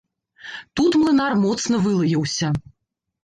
Тут млынар моцна вылаяўся.